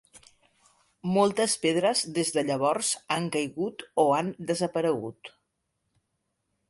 Moltes pedres des de llavors han caigut o han desaparegut.